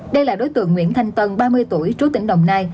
đây là đối tượng nguyễn thanh tân ba mươi tuổi trú tỉnh đồng nai